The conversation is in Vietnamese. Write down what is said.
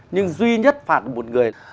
nhưng duy nhất phạt một người